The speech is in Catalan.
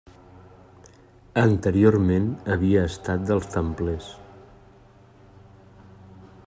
Anteriorment havia estat dels templers.